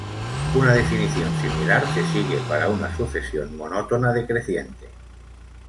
Una definición similar se sigue para una sucesión monótona decreciente.